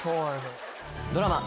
ドラマ